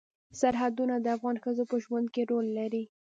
سرحدونه د افغان ښځو په ژوند کې رول لري.